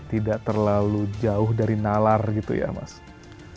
tidak terlalu jauh dari nalar gitu ya mas